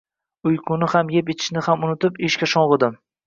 Uyquni ham, eb-ichishni ham unutib, ishga sho`ng`idim